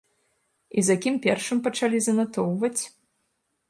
І за кім першым пачалі занатоўваць?